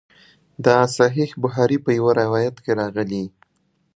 د صحیح بخاري په یوه روایت کې راغلي.